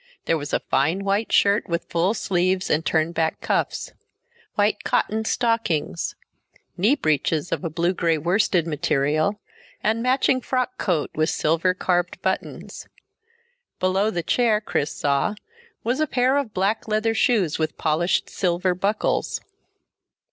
There was a fine white shirt with full sleeves and turned back cuffs. White cotton stockings; knee breeches of a blue gray worsted material, and matching frock coat with silver carved buttons. Below the chair, Chris saw, was a pair of black leather shoes with polished silver buckles.